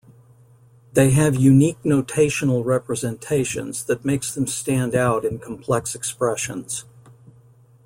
They have unique notational representations that makes them stand out in complex expressions.